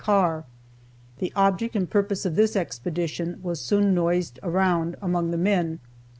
Carr. The object and purpose of this expedition was soon noised around among the men.